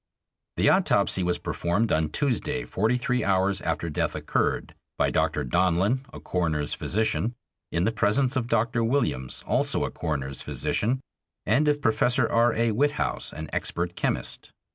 The autopsy was performed on Tuesday, forty three hours after death occurred, by Dr. Donlin, a coroner's physician, in the presence of Dr. Williams, also a coroner's physician, and of Professor R. A. Witthaus, an expert chemist.